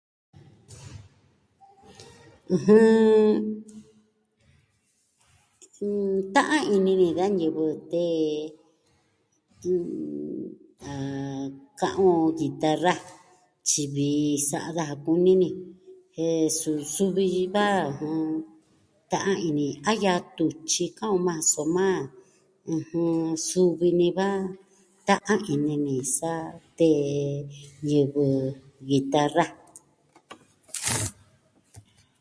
ɨjɨn... ta'an ini ni da ñivɨ tee n... ah... ka'an on guitarra, tyi vii sa'a daja kuni ni. Jen suu, su vi ji va ta'an ini a yaa tun tyi ka'an on maa. Soma, ɨjɨn, suu vi ni va ta'an ini ni sa tee ñivɨ guitarra.